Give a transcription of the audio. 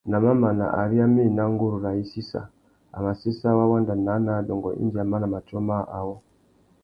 Nà mamana, ari a mà ena nguru râā i sissa, a mà séssa wa wanda naā nà adôngô indi a mana matiō mâā awô.